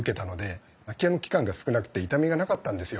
譲り受けたので空き家の期間が少なくて傷みがなかったんですよ。